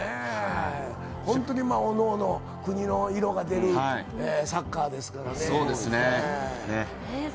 本当におのおの国の色が出るサッカーですからね。